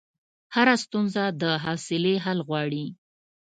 هره ستونزه د حوصلې حل غواړي.